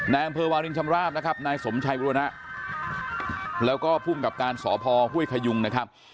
อำเภอวาลินชำราบนะครับนายสมชัยบุรณะแล้วก็ภูมิกับการสพห้วยขยุงนะครับ